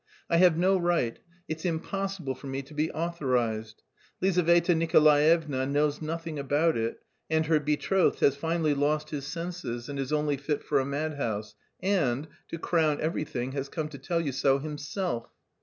I have no right, it's impossible for me to be authorised; Lizaveta Nikolaevna knows nothing about it and her betrothed has finally lost his senses and is only fit for a madhouse, and, to crown everything, has come to tell you so himself.